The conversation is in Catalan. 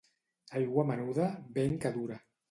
Aigua menuda, vent que dura.